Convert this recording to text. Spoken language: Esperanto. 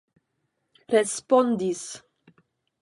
respondis